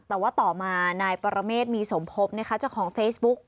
แต่ว่าต่อมานายปรเมษมีสมภพเจ้าของเฟซบุ๊ก